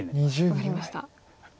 分かりました。